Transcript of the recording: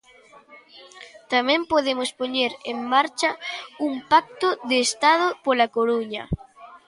Tamén podemos poñer en marcha un pacto de Estado pola Coruña.